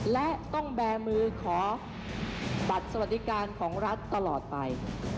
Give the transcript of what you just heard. และต้องแบร์มือขอบัตรสวัสดิการของรัฐตลอดไป